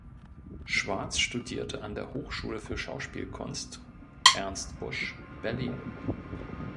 Schwarz studierte an der Hochschule für Schauspielkunst „Ernst Busch“ Berlin.